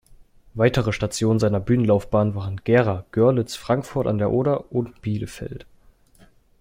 Weitere Stationen seiner Bühnenlaufbahn waren Gera, Görlitz, Frankfurt an der Oder und Bielefeld.